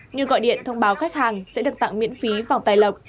như gọi điện thông báo khách hàng sẽ được tặng miễn phí phòng tài lộc